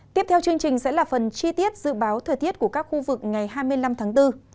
tiếp theo chương trình sẽ là phần chi tiết dự báo thời tiết của các khu vực ngày hai mươi năm tháng bốn